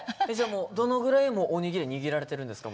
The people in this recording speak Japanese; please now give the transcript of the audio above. どのぐらいおにぎり握られてるんですか？